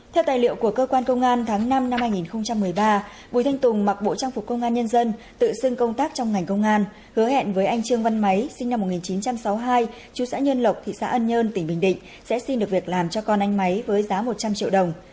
theo tài liệu của cơ quan công an tháng năm năm hai nghìn một mươi ba bùi thanh tùng mặc bộ trang phục công an nhân dân tự xưng công tác trong ngành công an hứa hẹn với anh trương văn máy sinh năm một nghìn chín trăm sáu mươi hai chú xã nhân lộc thị xã ân nhơn tỉnh bình định sẽ xin được việc làm cho con anh máy với giá một trăm linh triệu đồng